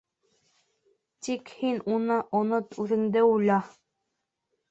Тик һин уны онот, үҙеңде уйла...